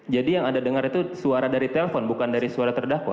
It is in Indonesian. jadi yang anda dengar itu suara dari telpon bukan dari suara terdakwa